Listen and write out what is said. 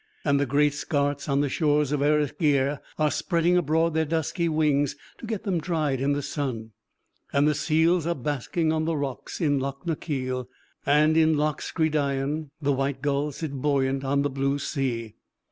And the great skarts on the shores of Erisgeir are spreading abroad their dusky wings to get them dried in the sun; and the seals are basking on the rocks in Loch na Keal; and in Loch Scridain the white gulls sit buoyant on the blue sea.